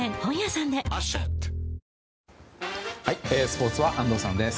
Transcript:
スポーツは安藤さんです。